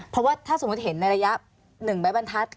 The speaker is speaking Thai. เพราะว่าถ้าสมมุติเห็นในระยะ๑ไม้บรรทัศน